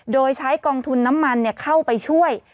โดยใช้กองทุนน้ำมันเข้าไปช่วย